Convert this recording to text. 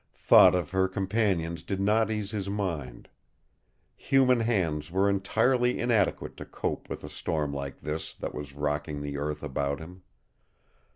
Thought of her companions did not ease his mind. Human hands were entirely inadequate to cope with a storm like this that was rocking the earth about him.